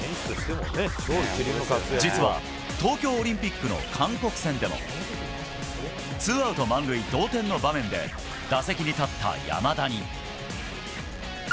実は東京オリンピックの韓国戦でもツーアウト満塁、同点の場面で打席に立った山田に。